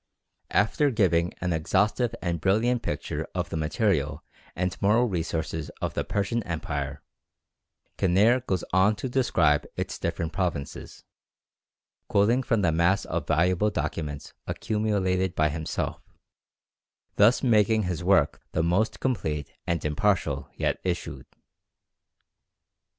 After giving an exhaustive and brilliant picture of the material and moral resources of the Persian Empire, Kinneir goes on to describe its different provinces, quoting from the mass of valuable documents accumulated by himself, thus making his work the most complete and impartial yet issued.